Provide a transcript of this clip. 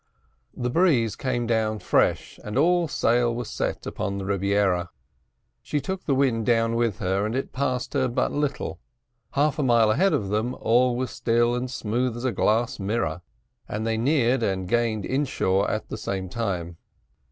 The breeze came down fresh, and all sail was set upon the Rebiera. She took the wind down with her, and it passed her but little half a mile ahead of them all was still and smooth as a glass mirror, and they neared and gained inshore at the same time.